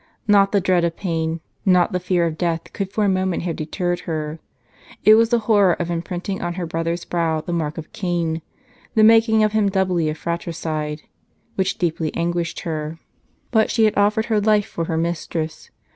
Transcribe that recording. Not the dread of pain, noi' the fear of death could for a moment have deterred her ; it was the horror of imprint ing on her brother's brow the mark of Cain, the making him doubly a fratricide, which deeply anguished her. But she had offered her life for her mistress.